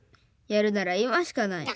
やるならいましかない。